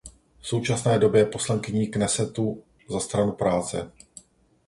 V současné době je poslankyní Knesetu za Stranu práce.